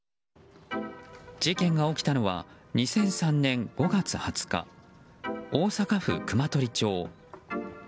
事件が起きたのは２００３年５月２０日大阪府熊取町。